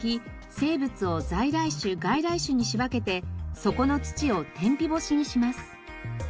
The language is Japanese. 生物を在来種外来種に仕分けて底の土を天日干しにします。